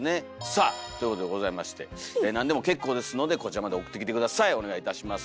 さあということでございましてなんでも結構ですのでこちらまで送ってきて下さいお願いいたします。